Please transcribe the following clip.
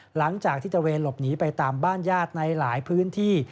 หลังจากที่ตระเวนหลบหนีไปตามบ้านญาติในหลายพื้นที่